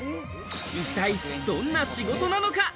一体どんな仕事なのか？